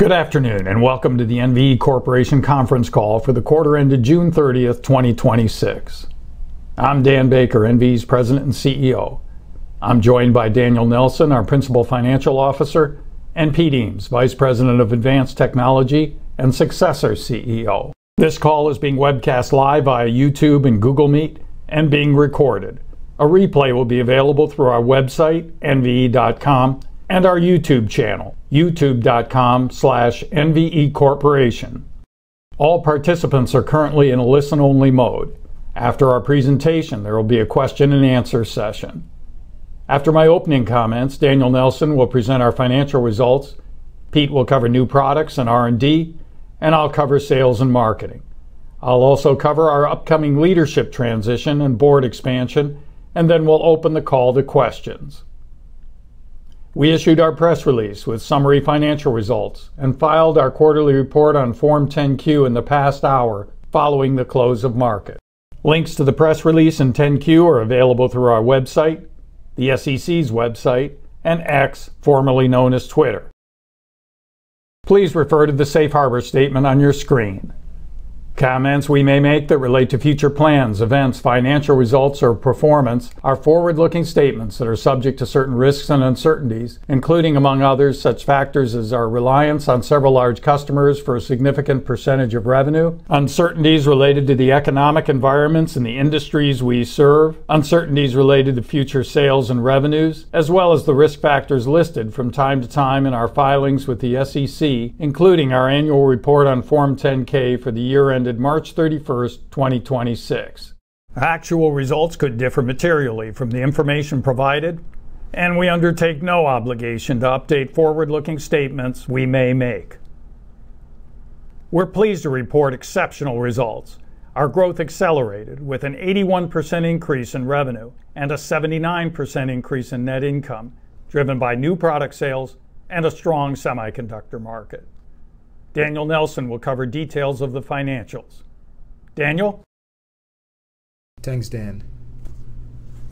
Good afternoon, welcome to the NVE Corporation conference call for the quarter ended June 30th, 2026. I'm Dan Baker, NVE's President and CEO. I'm joined by Daniel Nelson, our Principal Financial Officer, and Pete Eames, Vice President of Advanced Technology and Successor CEO. This call is being webcast live via YouTube and Google Meet and being recorded. A replay will be available through our website, nve.com, and our YouTube channel, youtube.com/nvecorporation. All participants are currently in listen-only mode. After our presentation, there will be a question and answer session. After my opening comments, Daniel Nelson will present our financial results, Pete will cover new products and R&D, and I'll cover sales and marketing. I'll also cover our upcoming leadership transition and board expansion, and then we'll open the call to questions. We issued our press release with summary financial results and filed our quarterly report on Form 10-Q in the past hour following the close of market. Links to the press release and 10-Q are available through our website, the SEC's website, and X, formerly known as Twitter. Please refer to the safe harbor statement on your screen. Comments we may make that relate to future plans, events, financial results, or performance are forward-looking statements that are subject to certain risks and uncertainties, including, among others, such factors as our reliance on several large customers for a significant percentage of revenue, uncertainties related to the economic environments in the industries we serve, uncertainties related to future sales and revenues, as well as the risk factors listed from time to time in our filings with the SEC, including our annual report on Form 10-K for the year ended March 31st, 2026. Actual results could differ materially from the information provided, and we undertake no obligation to update forward-looking statements we may make. We're pleased to report exceptional results. Our growth accelerated with an 81% increase in revenue and a 79% increase in net income, driven by new product sales and a strong semiconductor market. Daniel Nelson will cover details of the financials. Daniel? Thanks, Dan.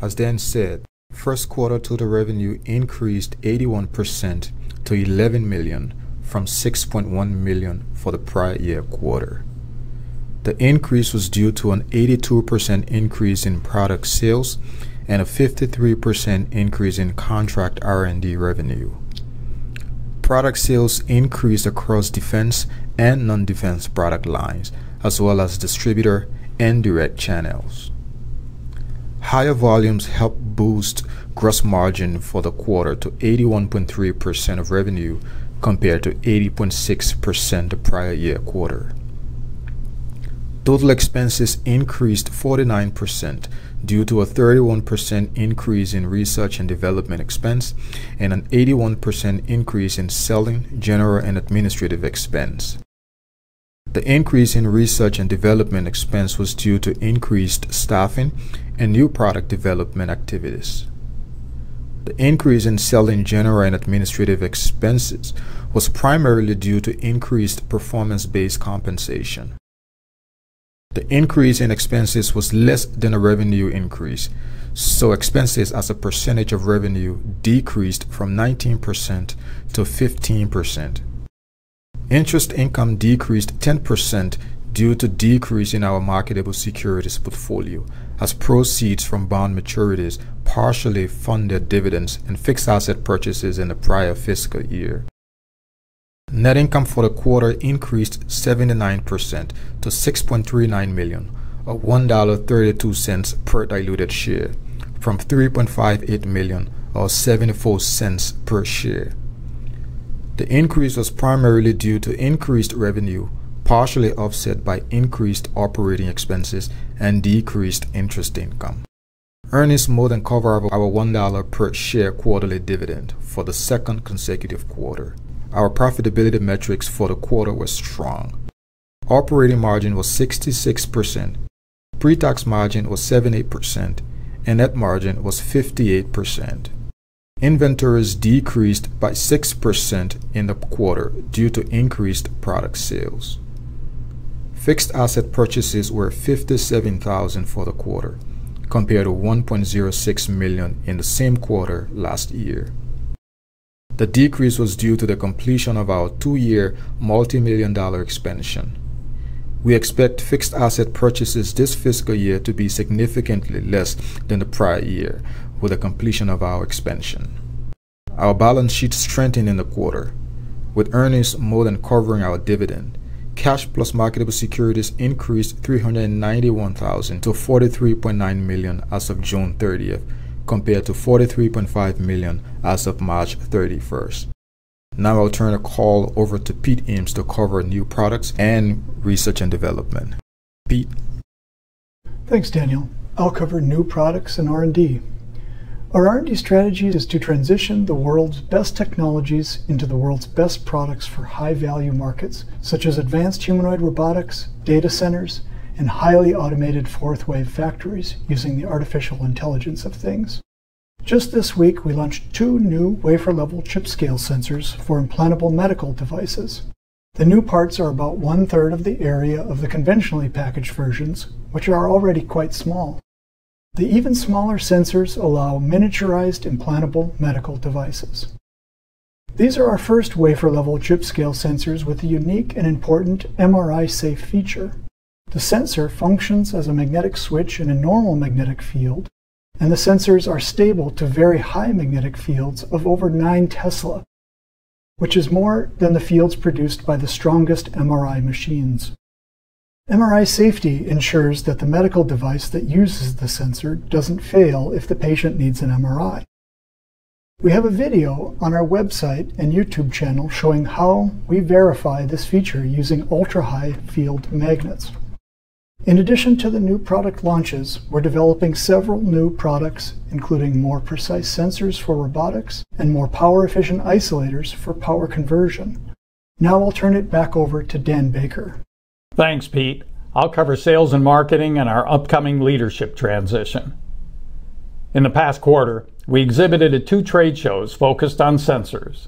As Dan said, first quarter total revenue increased 81% to $11 million from $6.1 million for the prior year quarter. The increase was due to an 82% increase in product sales and a 53% increase in contract R&D revenue. Product sales increased across defense and non-defense product lines, as well as distributor and direct channels. Higher volumes helped boost gross margin for the quarter to 81.3% of revenue, compared to 80.6% the prior year quarter. Total expenses increased 49% due to a 31% increase in research and development expense and an 81% increase in selling, general, and administrative expense. The increase in research and development expense was due to increased staffing and new product development activities. The increase in selling, general, and administrative expenses was primarily due to increased performance-based compensation. The increase in expenses was less than the revenue increase, expenses as a percentage of revenue decreased from 19% to 15%. Interest income decreased 10% due to decrease in our marketable securities portfolio, as proceeds from bond maturities partially funded dividends and fixed asset purchases in the prior fiscal year. Net income for the quarter increased 79% to $6.39 million, or $1.32 per diluted share, from $3.58 million, or $0.74 per share. The increase was primarily due to increased revenue, partially offset by increased operating expenses and decreased interest income. Earnings more than cover our $1 per share quarterly dividend for the second consecutive quarter. Our profitability metrics for the quarter were strong. Operating margin was 66%, pre-tax margin was 78%, and net margin was 58%. Inventories decreased by 6% in the quarter due to increased product sales. Fixed asset purchases were $57,000 for the quarter, compared to $1.06 million in the same quarter last year. The decrease was due to the completion of our two-year multimillion-dollar expansion. We expect fixed asset purchases this fiscal year to be significantly less than the prior year with the completion of our expansion. Our balance sheet strengthened in the quarter. With earnings more than covering our dividend, cash plus marketable securities increased $391,000 to $43.9 million as of June 30th, compared to $43.5 million as of March 31st. I'll turn the call over to Pete Eames to cover new products and research and development. Pete? Thanks, Daniel. I'll cover new products and R&D. Our R&D strategy is to transition the world's best technologies into the world's best products for high-value markets, such as advanced humanoid robotics, data centers, and highly automated fourth-wave factories using the Artificial Intelligence of Things. Just this week, we launched two new wafer-level chip scale sensors for implantable medical devices. The new parts are about one-third of the area of the conventionally packaged versions, which are already quite small. The even smaller sensors allow miniaturized implantable medical devices. These are our first wafer-level chip scale sensors with a unique and important MRI-safe feature. The sensor functions as a magnetic switch in a normal magnetic field, and the sensors are stable to very high magnetic fields of over nine tesla, which is more than the fields produced by the strongest MRI machines. MRI safety ensures that the medical device that uses the sensor doesn't fail if the patient needs an MRI. We have a video on our website and YouTube channel showing how we verify this feature using ultra-high field magnets. In addition to the new product launches, we're developing several new products, including more precise sensors for robotics and more power-efficient isolators for power conversion. I'll turn it back over to Dan Baker. Thanks, Pete. I'll cover sales and marketing and our upcoming leadership transition. In the past quarter, we exhibited at two trade shows focused on sensors.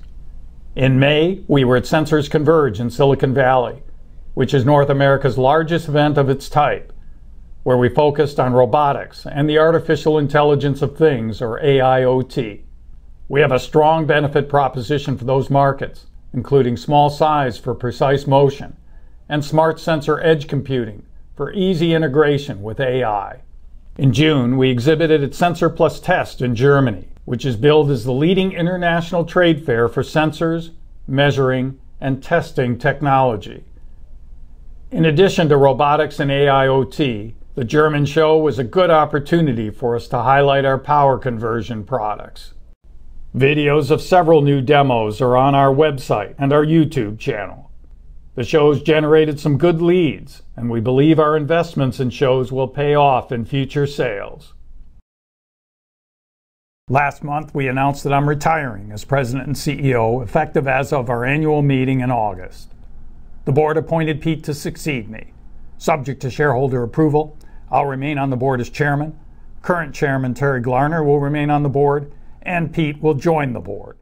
In May, we were at Sensors Converge in Silicon Valley, which is North America's largest event of its type, where we focused on robotics and the AIoT. We have a strong benefit proposition for those markets, including small size for precise motion and smart sensor edge computing for easy integration with AI. In June, we exhibited at SENSOR+TEST in Germany, which is billed as the leading international trade fair for sensors, measuring, and testing technology. In addition to robotics and AIoT, the German show was a good opportunity for us to highlight our power conversion products. Videos of several new demos are on our website and our YouTube channel. The shows generated some good leads. We believe our investments in shows will pay off in future sales. Last month, we announced that I'm retiring as President and CEO, effective as of our annual meeting in August. The board appointed Pete to succeed me. Subject to shareholder approval, I'll remain on the board as Chairman, current Chairman Terry Glarner will remain on the board. Pete will join the board.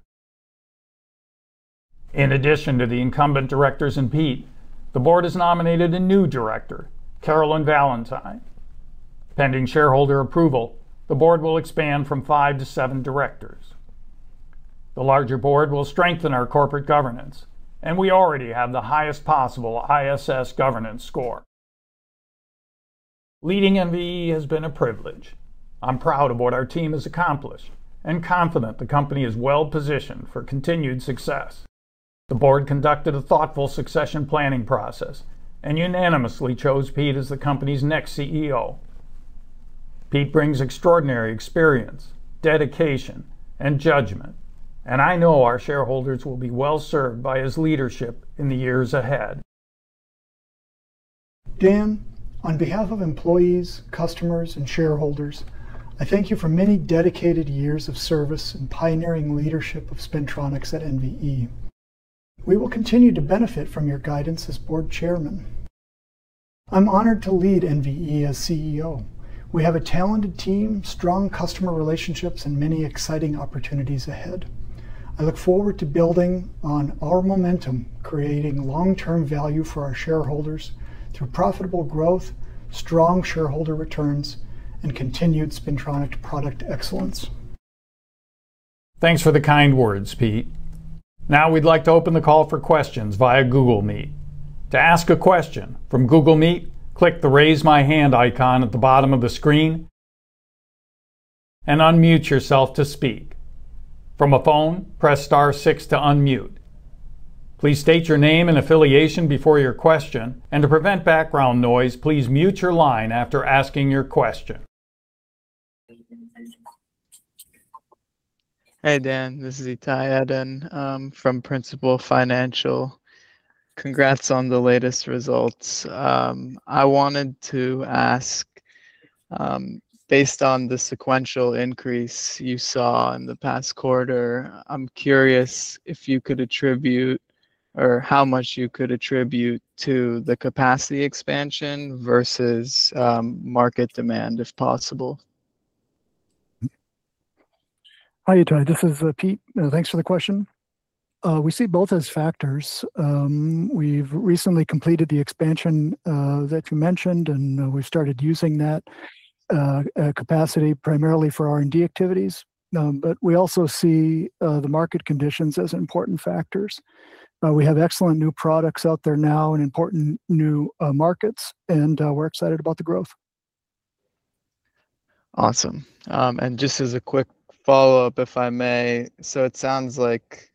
In addition to the incumbent directors and Pete, the board has nominated a new director, Carolyn Valentine. Pending shareholder approval, the board will expand from five to seven directors. The larger board will strengthen our corporate governance. We already have the highest possible ISS governance score. Leading NVE has been a privilege. I'm proud of what our team has accomplished and confident the company is well-positioned for continued success. The board conducted a thoughtful succession planning process. Unanimously chose Pete as the company's next CEO. Pete brings extraordinary experience, dedication, and judgment. I know our shareholders will be well-served by his leadership in the years ahead. Dan, on behalf of employees, customers, and shareholders, I thank you for many dedicated years of service and pioneering leadership of Spintronics at NVE. We will continue to benefit from your guidance as board Chairman. I'm honored to lead NVE as CEO. We have a talented team, strong customer relationships. Many exciting opportunities ahead. I look forward to building on our momentum, creating long-term value for our shareholders through profitable growth, strong shareholder returns. Continued Spintronic product excellence. Thanks for the kind words, Pete. Now we'd like to open the call for questions via Google Meet. To ask a question from Google Meet, click the Raise My Hand icon at the bottom of the screen and unmute yourself to speak. From a phone, press star six to unmute. Please state your name and affiliation before your question, and to prevent background noise, please mute your line after asking your question. Hey, Dan. This is Ittai Eden from Principal Financial. Congrats on the latest results. I wanted to ask, based on the sequential increase you saw in the past quarter, I'm curious if you could attribute or how much you could attribute to the capacity expansion versus market demand, if possible. Hi, Ittai. This is Pete. Thanks for the question. We see both as factors. We've recently completed the expansion that you mentioned, and we've started using that capacity primarily for R&D activities. We also see the market conditions as important factors. We have excellent new products out there now in important new markets, and we're excited about the growth. Awesome. Just as a quick follow-up, if I may. It sounds like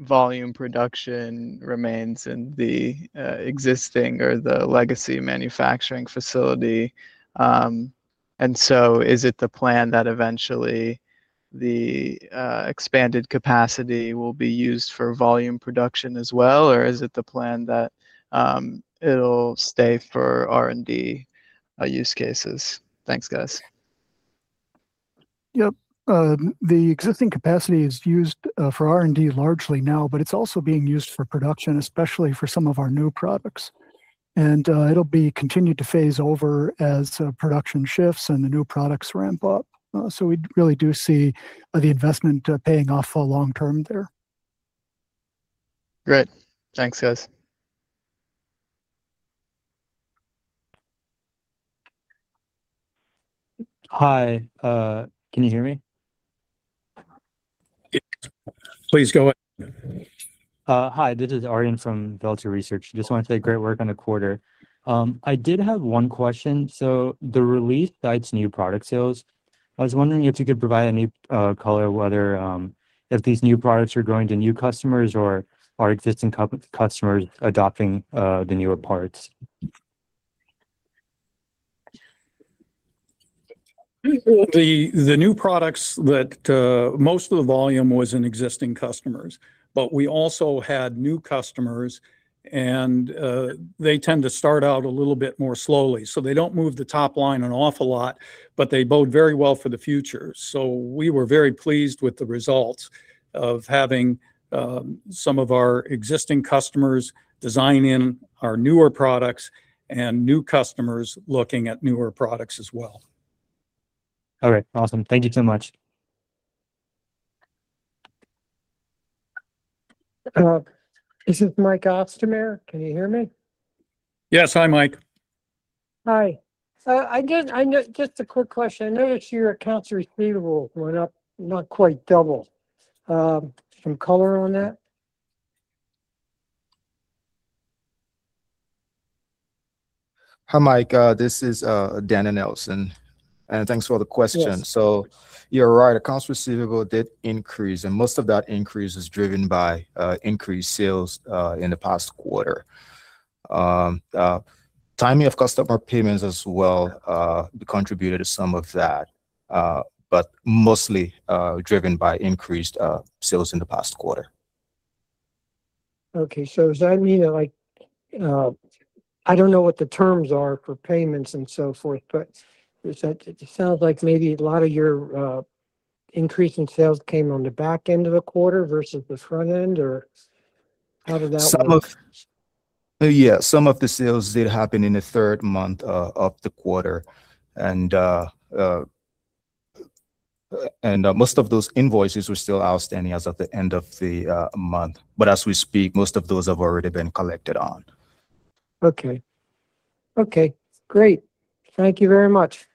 volume production remains in the existing or the legacy manufacturing facility. Is it the plan that eventually the expanded capacity will be used for volume production as well, or is it the plan that it'll stay for R&D use cases? Thanks, guys. Yep. The existing capacity is used for R&D largely now, but it's also being used for production, especially for some of our new products. It'll be continued to phase over as production shifts and the new products ramp up. We really do see the investment paying off for long term there. Great. Thanks, guys. Hi, can you hear me? Yes. Please go ahead. Hi, this is Arian from Vector Research. Just wanted to say great work on the quarter. I did have one question. The release guides new product sales. I was wondering if you could provide any color whether if these new products are going to new customers or are existing customers adopting the newer parts? The new products that most of the volume was in existing customers, but we also had new customers and they tend to start out a little bit more slowly, so they don't move the top line an awful lot, but they bode very well for the future. We were very pleased with the results of having some of our existing customers design in our newer products and new customers looking at newer products as well. All right. Awesome. Thank you so much. This is [Mike Ostermaier]. Can you hear me? Yes. Hi, [Mike]. Hi. Just a quick question. I noticed your accounts receivable went up, not quite double. Some color on that? Hi, [Mike]. This is Daniel Nelson. Thanks for the question. Yes. You're right, accounts receivable did increase. Most of that increase is driven by increased sales in the past quarter. Timing of customer payments as well contributed to some of that, mostly driven by increased sales in the past quarter. Okay. Does that mean, I don't know what the terms are for payments and so forth, it sounds like maybe a lot of your increase in sales came on the back end of the quarter versus the front end, or how did that work? Some of the sales did happen in the third month of the quarter. Most of those invoices were still outstanding as of the end of the month. As we speak, most of those have already been collected on. Okay. Great. Thank you very much.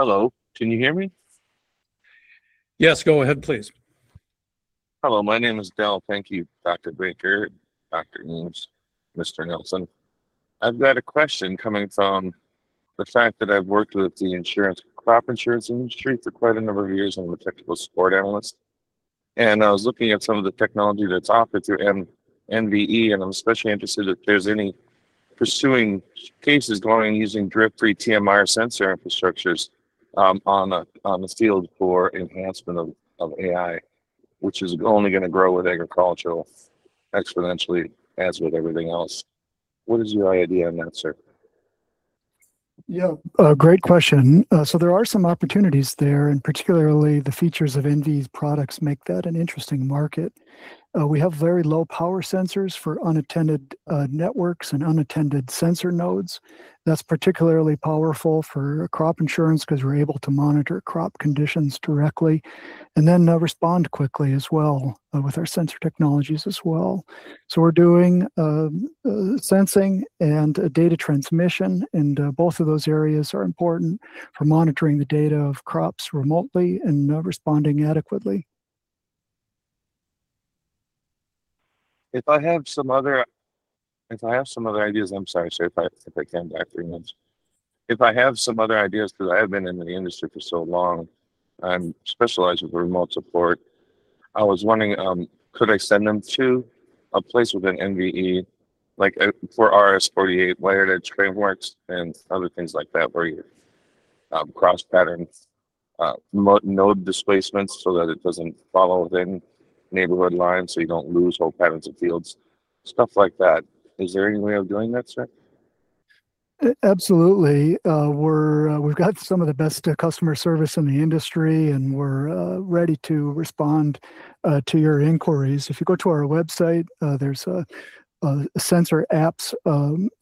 Hello, can you hear me? Yes, go ahead, please. Hello, my name is [Dale]. Thank you, Dr. Baker, Dr. Eames, Mr. Nelson. I've got a question coming from the fact that I've worked with the insurance, crop insurance industry for quite a number of years. I'm a technical support analyst, and I was looking at some of the technology that's offered through NVE, and I'm especially interested if there's any pursuing cases going using drift-free TMR sensor infrastructures on the field for enhancement of AI, which is only going to grow with agricultural exponentially, as with everything else. What is your idea on that, sir? Yeah. Great question. There are some opportunities there, particularly the features of NVE's products make that an interesting market. We have very low power sensors for unattended networks and unattended sensor nodes. That's particularly powerful for crop insurance because we're able to monitor crop conditions directly. Then respond quickly as well with our sensor technologies as well. We're doing sensing and data transmission. Both of those areas are important for monitoring the data of crops remotely and responding adequately. If I have some other ideas, I'm sorry, sir, if I came back three months. If I have some other ideas, because I have been in the industry for so long, I'm specialized with remote support. I was wondering, could I send them to a place within NVE, like for RS-485 wired edge frameworks and other things like that, where you cross pattern node displacements so that it doesn't follow within neighborhood lines, so you don't lose whole patterns of fields, stuff like that. Is there any way of doing that, sir? Absolutely. We've got some of the best customer service in the industry. We're ready to respond to your inquiries. If you go to our website, there's a sensor apps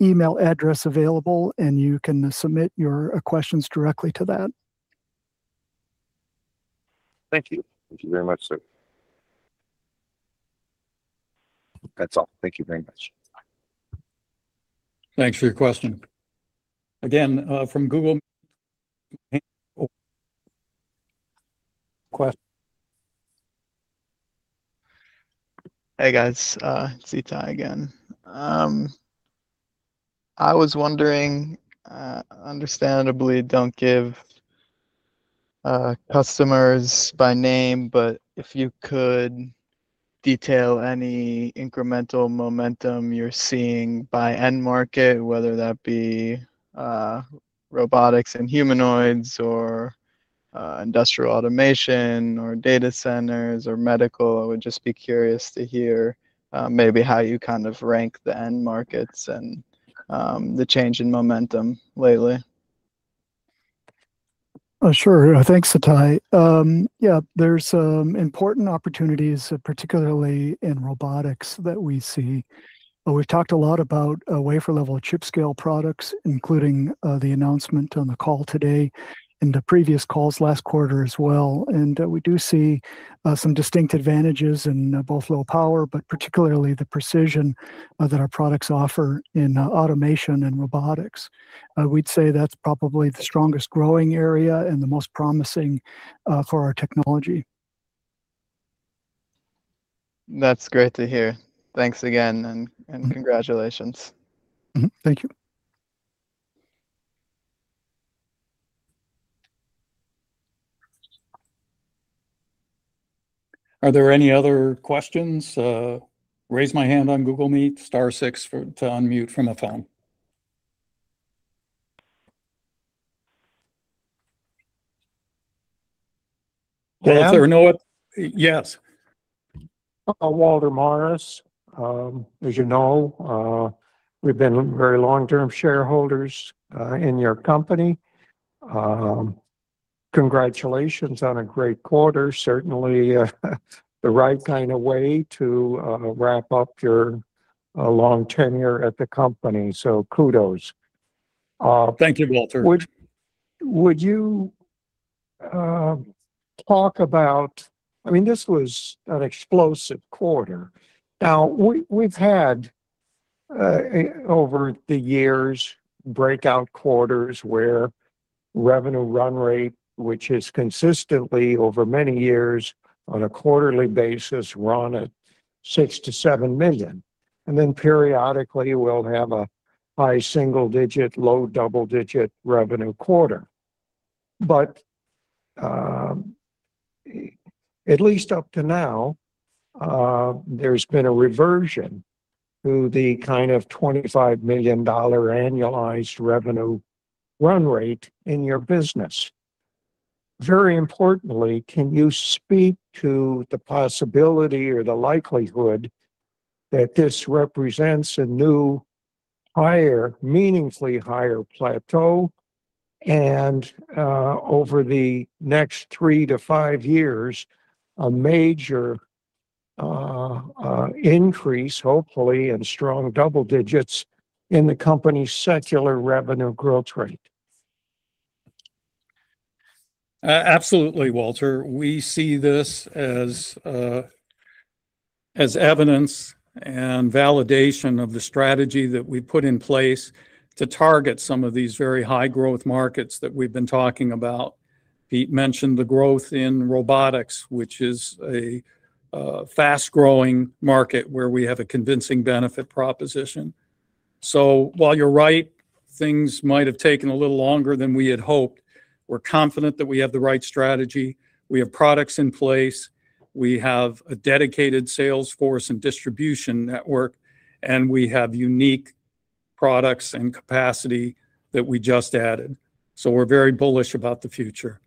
email address available. You can submit your questions directly to that. Thank you. Thank you very much, sir. That's all. Thank you very much. Thanks for your question. Again, from Google. Hey, guys. It's Ittai again. I was wondering, understandably don't give customers by name, but if you could detail any incremental momentum you're seeing by end market, whether that be robotics and humanoids or industrial automation or data centers or medical. I would just be curious to hear maybe how you kind of rank the end markets and the change in momentum lately. Sure. Thanks, Ittai. Yeah, there's some important opportunities, particularly in robotics that we see. We've talked a lot about wafer-level and chip scale products, including the announcement on the call today, in the previous calls last quarter as well. We do see some distinct advantages in both low power, but particularly the precision that our products offer in automation and robotics. We'd say that's probably the strongest growing area and the most promising for our technology. That's great to hear. Thanks again, and congratulations. Thank you. Are there any other questions? Raise my hand on Google Meet, star 6 to unmute from the phone. Walter. Dan? Yes. Walter Morris. As you know, we've been very long-term shareholders in your company. Congratulations on a great quarter. Certainly the right kind of way to wrap up your long tenure at the company. Kudos. Thank you, Walter. Would you talk about This was an explosive quarter. We've had, over the years, breakout quarters where revenue run rate, which has consistently over many years on a quarterly basis run at $6 million-$7 million, and then periodically we'll have a high single digit, low double digit revenue quarter. At least up to now, there's been a reversion to the kind of $25 million annualized revenue run rate in your business. Very importantly, can you speak to the possibility or the likelihood that this represents a new higher, meaningfully higher plateau, and, over the next three to five years, a major increase, hopefully, and strong double digits in the company's secular revenue growth rate? Absolutely, Walter. We see this as evidence and validation of the strategy that we put in place to target some of these very high growth markets that we've been talking about. Pete mentioned the growth in robotics, which is a fast-growing market where we have a convincing benefit proposition. While you're right, things might have taken a little longer than we had hoped, we're confident that we have the right strategy, we have products in place, we have a dedicated sales force and distribution network, and we have unique products and capacity that we just added. We're very bullish about the future.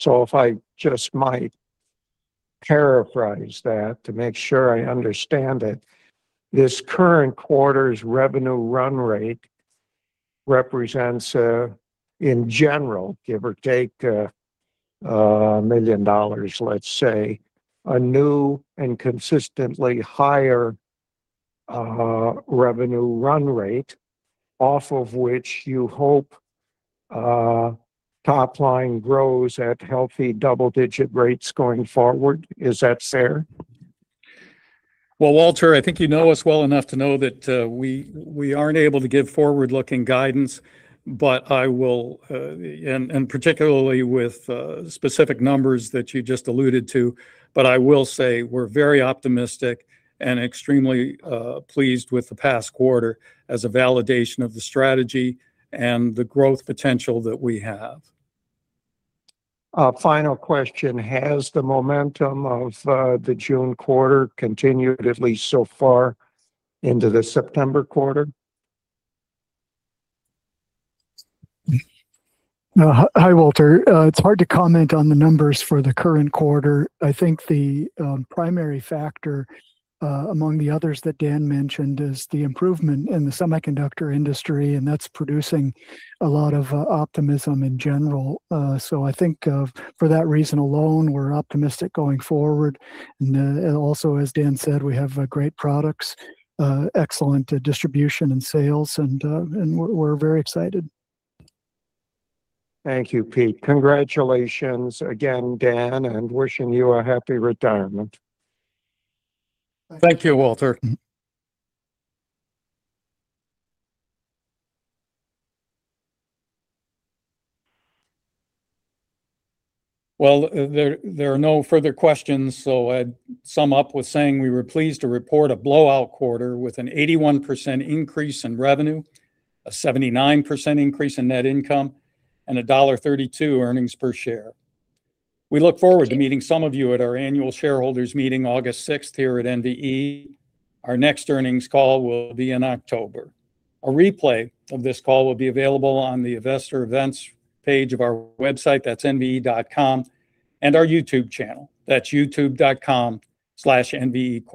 If I just might paraphrase that to make sure I understand it, this current quarter's revenue run rate represents a, in general, give or take $1 million, let's say, a new and consistently higher revenue run rate off of which you hope top line grows at healthy double digit rates going forward. Is that fair? Walter, I think you know us well enough to know that we aren't able to give forward-looking guidance, and particularly with specific numbers that you just alluded to, but I will say we're very optimistic and extremely pleased with the past quarter as a validation of the strategy and the growth potential that we have. Final question, has the momentum of the June quarter continued at least so far into the September quarter? Hi, Walter. It's hard to comment on the numbers for the current quarter. I think the primary factor among the others that Dan mentioned is the improvement in the semiconductor industry, and that's producing a lot of optimism in general. I think for that reason alone, we're optimistic going forward. As Dan said, we have great products, excellent distribution and sales, and we're very excited. Thank you, Pete. Congratulations again, Dan, and wishing you a happy retirement. Thank you, Walter. Well, there are no further questions, so I'd sum up with saying we were pleased to report a blowout quarter with an 81% increase in revenue, a 79% increase in net income, and a $1.32 earnings per share. We look forward to meeting some of you at our annual shareholders meeting August 6th here at NVE. Our next earnings call will be in October. A replay of this call will be available on the investor events page of our website, that's nve.com, and our YouTube channel, that's youtube.com/nvecorp